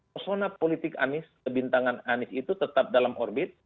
persona politik anies kebintangan anies itu tetap dalam orbit